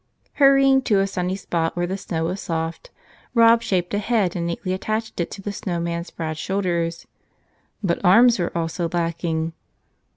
Hurrying to a sunny spot where the snow was soft, Rob shaped a head and neatly attached it to the snow man's broad shoulders. But arms were also lacking.